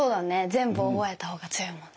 全部覚えた方が強いもんね。